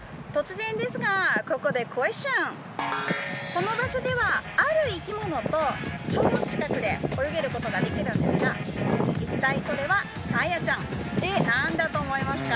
この場所ではある生き物と超近くで泳げることができるんですが一体それはサーヤちゃん何だと思いますか？